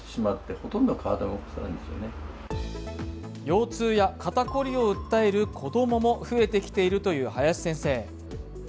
腰痛や肩凝りを訴える子供も増えてきているという林先生。